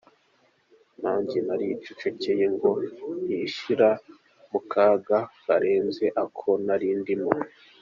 Nanjye naricecekeye ngo ntishyira mu kaga karenze ako nari ndimo.